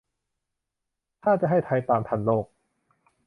ถ้าจะให้ไทยตามทันโลก